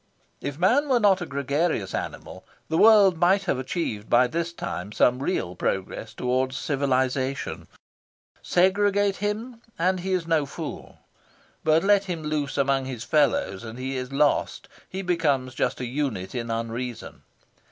If man were not a gregarious animal, the world might have achieved, by this time, some real progress towards civilisation. Segregate him, and he is no fool. But let him loose among his fellows, and he is lost he becomes just an unit in unreason.